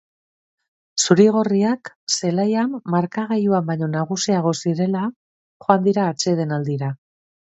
Zurigorriak zelaian markagailuan baino nagusiago zirela joan dira atsedelandira.